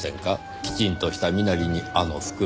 きちんとした身なりにあの袋。